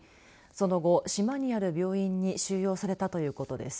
その後、島にある病院に収容されたということです。